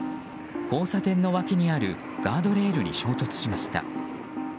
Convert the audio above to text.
交差点の脇にあるガードレールに衝突しました。